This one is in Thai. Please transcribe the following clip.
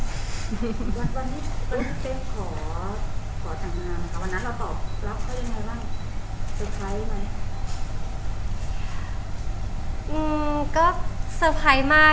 เต้มขอแต่งงานวันนั้นเราตอบรับเขาว่าเป็นไงบ้าง